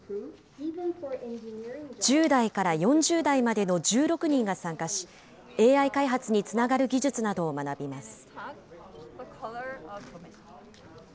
１０代から４０代までの１６人が参加し、ＡＩ開発につながる技術などを学びます。